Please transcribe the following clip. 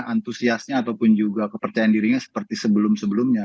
antusiasnya ataupun juga kepercayaan dirinya seperti sebelum sebelumnya